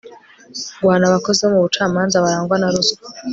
guhana abakozi bo mu bucamanza barangwa na ruswa